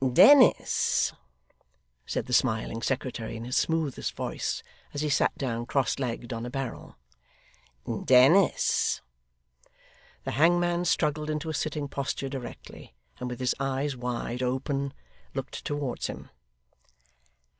'Dennis!' said the smiling secretary, in his smoothest voice, as he sat down cross legged on a barrel, 'Dennis!' The hangman struggled into a sitting posture directly, and with his eyes wide open, looked towards him.